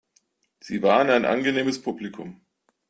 Sie waren ein angenehmes Publikum.